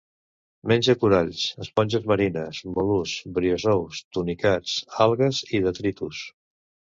Menja coralls, esponges marines, mol·luscs, briozous, tunicats, algues i detritus.